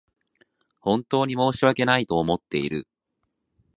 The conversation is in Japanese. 本当に申し訳ないと思っている